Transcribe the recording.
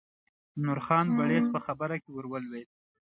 نورخان بړیڅ په خبره کې ور ولوېد.